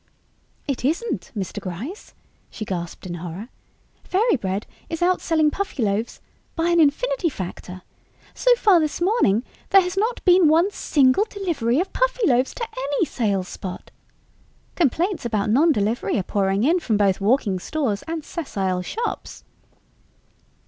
"It isn't, Mr. Gryce!" she gasped in horror. "Fairy Bread is outselling Puffyloaves by an infinity factor. So far this morning, there has not been one single delivery of Puffyloaves to any sales spot! Complaints about non delivery are pouring in from both walking stores and sessile shops."